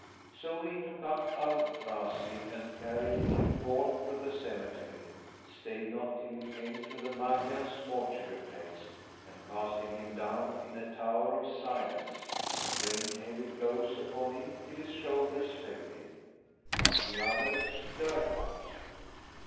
So he took up Al Razi and carrying him forth of the cemetery, stayed not till he came to the Magians' mortuary place and casting him down in a Tower of Silence, rained heavy blows upon him till his shoulders failed him, but the other stirred not.